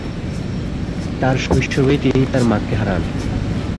তার শৈশবেই তিনি তার মাকে হারান।